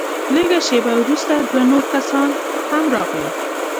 لږه شېبه وروسته دوه نور کسان هم راغلل.